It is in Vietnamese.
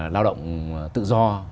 lao động tự do